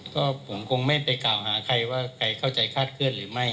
ก็ผมคงไม่ไปกล่าวหาใครว่าใครเข้าใจคาดเคลื่อนหรือไม่